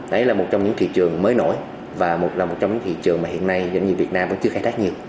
đấy là một trong những thị trường mới nổi và một là một trong những thị trường mà hiện nay doanh nghiệp việt nam vẫn chưa khai thác nhiều